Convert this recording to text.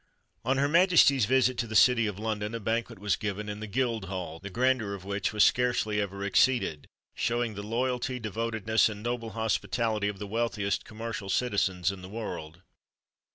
On her Majesty's visit to the city of London a banquet was given in the Guildhall, the grandeur of which was scarcely ever exceeded, showing the loyalty, devotedness, and noble hospitality of the wealthiest commercial citizens in the world.